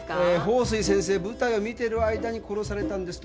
鳳水先生舞台を見てる間に殺されたんです。